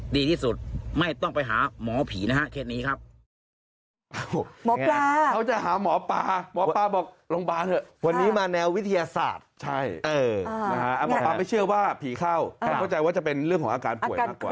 ดีที่สุดไม่ต้องไปหาหมอผีนะฮะเคสนี้ครับ